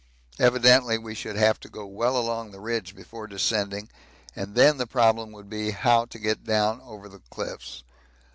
Evidently we should have to go well along the ridge before descending, and then the problem would be how to get down over the cliffs.